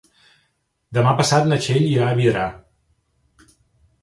Demà passat na Txell irà a Vidrà.